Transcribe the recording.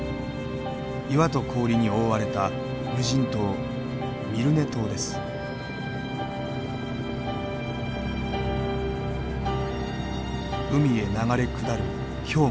岩と氷に覆われた無人島海へ流れ下る氷河。